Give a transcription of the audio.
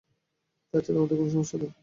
তা ছাড়া আমার কোনো সমস্যাও নেই।